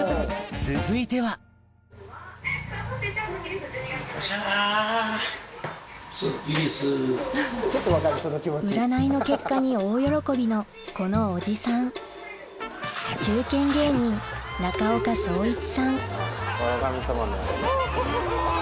続いては占いの結果に大喜びのこのおじさん中堅芸人『笑神様』のやつ。